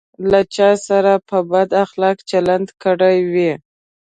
له چا سره په بد اخلاقي چلند کړی وي.